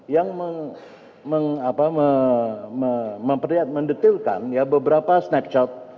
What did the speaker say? yang memperlihat mendetilkan ya beberapa snapshot